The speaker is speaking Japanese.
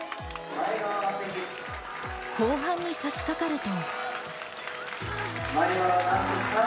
後半にさしかかると。